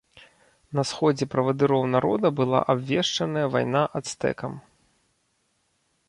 На сходзе правадыроў народа была абвешчаная вайна ацтэкам.